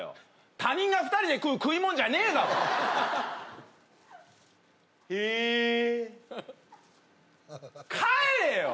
他人が２人で食う食いもんじゃねえだろへえ帰れよ